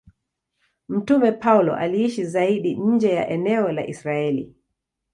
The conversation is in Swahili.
Mtume Paulo aliishi zaidi nje ya eneo la Israeli.